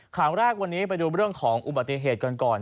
ข่าวแรกวันนี้ไปดูเรื่องของอุบัติเหตุกันก่อน